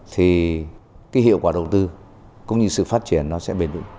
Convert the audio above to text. thì cái hiệu quả đầu tư cũng như sự phát triển nó sẽ bền vững